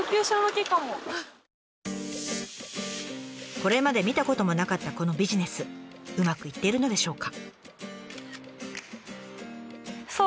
これまで見たこともなかったこのビジネスうまくいっているのでしょうか？